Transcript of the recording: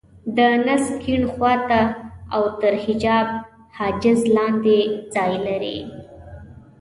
د نس کيڼ خوا ته او تر حجاب حاجز لاندې ځای لري.